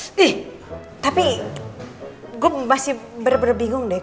stih tapi gue masih bener bener bingung deh